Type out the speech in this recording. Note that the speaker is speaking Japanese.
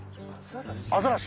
アザラシ？